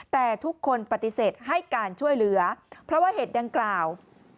แต่ทุกคนปฏิเสธให้การช่วยเหลือเพราะว่าเหตุดังกล่าว